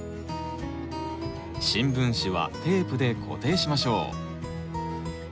新聞紙はテープで固定しましょう。